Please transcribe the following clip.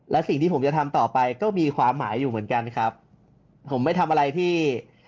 และสิ่งที่ผมจะทำต่อไปก็มีความหมายอยู่เหมือนกันครับผมไม่ทำอะไรที่